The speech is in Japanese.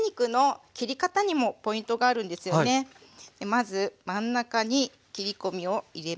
まず真ん中に切り込みを切りますね。